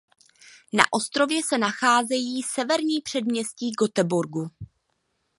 Na ostrově se nacházejí severní předměstí Göteborgu.